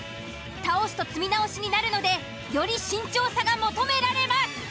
倒すと積み直しになるのでより慎重さが求められます。